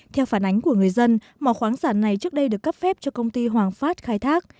theo phản ánh của người dân mỏ khoáng sản này trước đây được cấp phép cho công ty hoàng phát khai thác